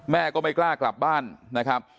แม่ก็ไม่กล้ากลับบ้านนะครับ